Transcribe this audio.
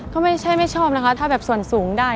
ก็ไม่ใช่ไม่ชอบนะคะถ้าแบบส่วนสูงได้